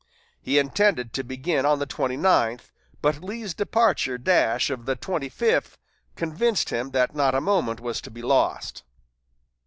He intended to begin on the twenty ninth, but Lee's desperate dash of the twenty fifth convinced him that not a moment was to be lost.